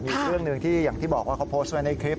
อีกเรื่องหนึ่งที่อย่างที่บอกว่าเขาโพสต์ไว้ในคลิป